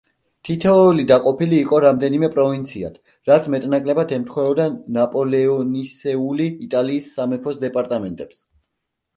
თითოეული დაყოფილი იყო რამდენიმე პროვინციად, რაც მეტნაკლებად ემთხვეოდა ნაპოლეონისეული იტალიის სამეფოს დეპარტამენტებს.